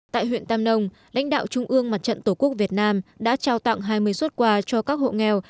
tại huyện tam nông lãnh đạo trung ương mặt trận tổ quốc việt nam đã trao tặng hai mươi xuất quà cho các hộ nghèo